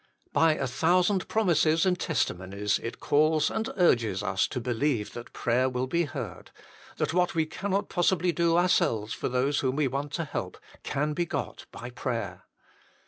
By a thousand promises and testimonies it calls and urges us to believe that prayer will be heard, that what we cannot possibly do ourselves for those whom we want to help, can be got by prayer.